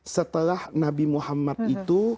setelah nabi muhammad itu